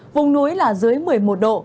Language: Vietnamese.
vùng núi là dưới một mươi một độ